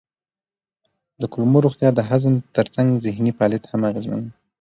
د کولمو روغتیا د هضم ترڅنګ ذهني فعالیت هم اغېزمنوي.